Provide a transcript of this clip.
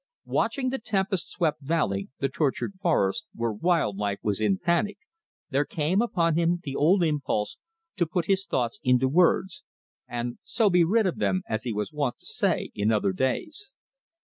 Watching the tempest swept valley, the tortured forest, where wild life was in panic, there came upon him the old impulse to put his thoughts into words, "and so be rid of them," as he was wont to say in other days.